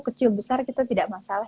kecil besar kita tidak masalah